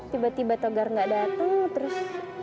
tiba tiba togar enggak dateng terus